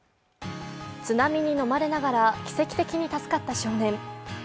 津波にのまれながら奇跡的に助かった少年。